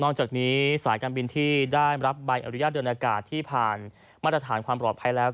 จากนี้สายการบินที่ได้รับใบอนุญาตเดินอากาศที่ผ่านมาตรฐานความปลอดภัยแล้ว